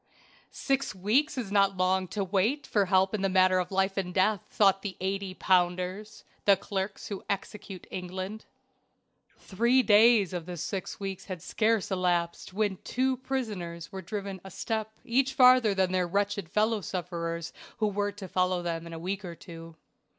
Six weeks is not long to wait for help in a matter of life and death, thought the eighty pounders, the clerks who execute England. Three days of this six weeks had scarce elapsed when two prisoners were driven a step each farther than their wretched fellow sufferers who were to follow them in a week or two.